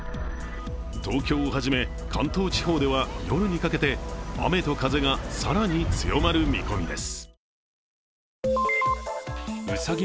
東京をはじめ、関東地方では夜にかけて雨と風が更に強まる見込みです。